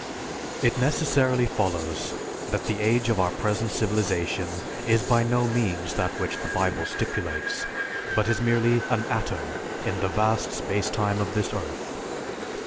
It necessarily follows that the age of our present civilization is by no means that which the Bible stipulates, but is merely an atom in the vast space time of this earth.